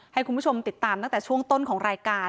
ให้คุณผู้ชมติดตามตั้งแต่ช่วงต้นของรายการ